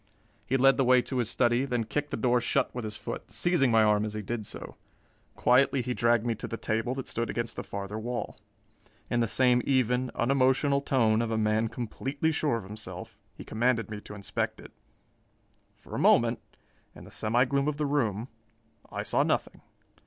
He led the way to his study, then kicked the door shut with his foot, seizing my arm as he did so. Quietly he dragged me to the table that stood against the farther wall. In the same even, unemotional tone of a man completely sure of himself, he commanded me to inspect it. For a moment, in the semi gloom of the room, I saw nothing.